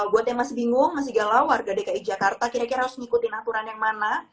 buat yang masih bingung masih galau warga dki jakarta kira kira harus mengikuti aturan yang mana